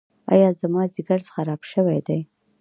ایا زما ځیګر خراب شوی دی؟